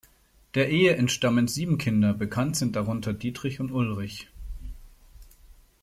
Der Ehe entstammen sieben Kinder, bekannt sind darunter Dietrich und Ulrich.